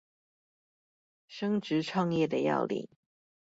升職創業的要領